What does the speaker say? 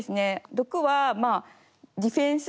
毒はまあディフェンス。